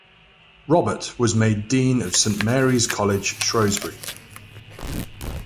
Robert was made Dean of Saint Mary's College, Shrewsbury.